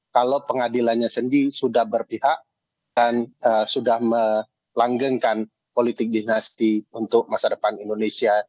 kalau pengadilannya sendiri sudah berpihak dan sudah melanggengkan politik dinasti untuk masa depan indonesia